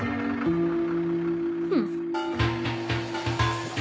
うん。